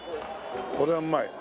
これはうまいね。